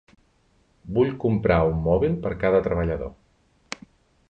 Vull comprar un mòbil per cada treballador.